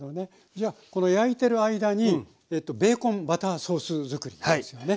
じゃこの焼いてる間にベーコンバターソース作りですよね。